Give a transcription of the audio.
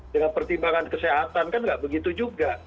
dengan pertimbangan kesehatan kan nggak begitu juga